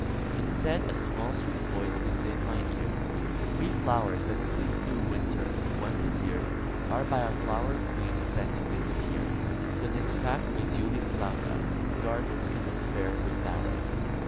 And said a small, sweet voice within my ear:"We flowers, that sleep through winter, once a yearAre by our flower queen sent to visit here, That this fact may duly flout us,—Gardens can look fair without us.